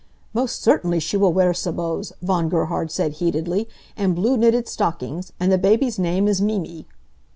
"Most certainly she will wear sabots," Von Gerhard said, heatedly, "and blue knitted stockings. And the baby's name is Mimi!"